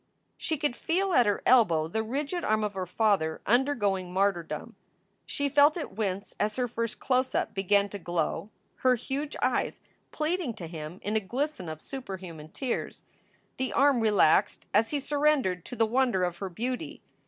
She could feel at her elbow the rigid arm of her father undergoing martyrdom. She felt it wince as her first close up began to glow, her huge eyes pleading to him in a glisten of superhuman tears. The arm relaxed as he surrendered to the wonder of her beauty.